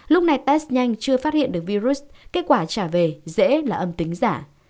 lúc này test nhanh chưa phát hiện được virus kết quả trả về dễ là âm tính giả